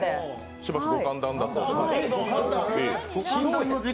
しばしご歓談だそうです。